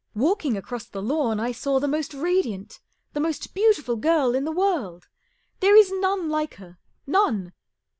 Walking across the lawn I saw the most radiant, the most beautiful girl in the world. There is none like her, none.